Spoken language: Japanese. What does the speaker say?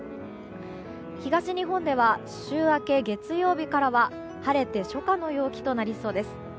東日本では週明け月曜日からは晴れて初夏の陽気となりそうです。